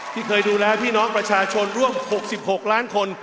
ที่เคยดูแลพี่น้องประชาชนร่วม๖๖ล้านคน